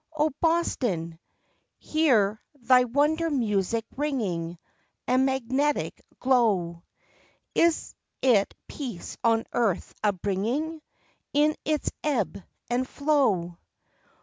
0 Boston! Hear thy wonder music ringing, A magnetic glow, Is it peace on earth a bringing In its ebb and flow?